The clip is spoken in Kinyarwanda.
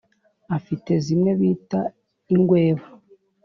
afite zimwe bita ingweba.